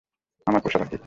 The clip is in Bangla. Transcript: আমার পোষা পাখি।